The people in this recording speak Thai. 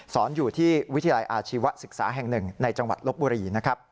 สอนอยู่ที่วิทยาลัยอาชีวศึกษาแห่งหนึ่งในจังหวัดลบบุรีนะครับ